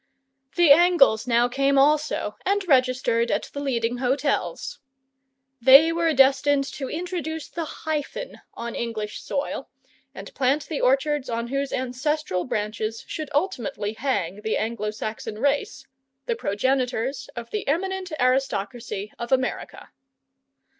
The Angles now came also and registered at the leading hotels. They were destined to introduce the hyphen on English soil, and plant the orchards on whose ancestral branches should ultimately hang the Anglo Saxon race, the progenitors of the eminent aristocracy of America.